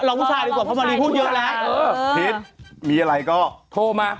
ผู้ชายดีกว่าเพราะมารีพูดเยอะแล้วผิดมีอะไรก็โทรมา